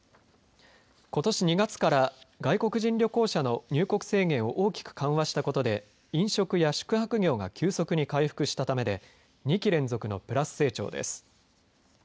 ことし２月から外国人旅行者の入国制限を大きく緩和したことで飲食や宿泊業が急速に回復したためで２期連続のプラス成長です。